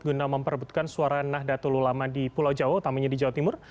guna memperbutkan suara nahdlatul ulama di pulau jawa utamanya di jawa timur